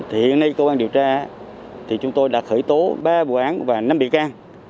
hiện nay công an điều tra thì chúng tôi đã khởi tố ba vụ án và năm bị can